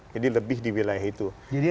jadi lebih di wilayah itu